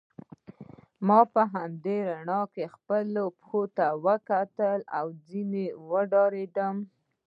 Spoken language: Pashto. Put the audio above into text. ما په همدې رڼا کې خپلو پښو ته وکتل او ځینې وډارېدم.